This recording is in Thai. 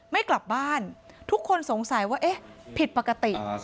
ไม่กลับบ้านทุกคนสงสัยว่าเอ๊ะผิดปกติ